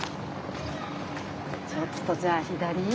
ちょっとじゃあ左？ですか？